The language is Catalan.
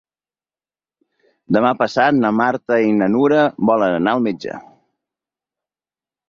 Demà passat na Marta i na Nura volen anar al metge.